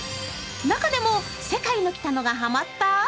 中でも世界のキタノがハマった？